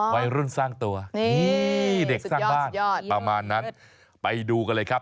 อ๋อเหรอสุดยอดสุดยอดประมาณนั้นไปดูกันเลยครับ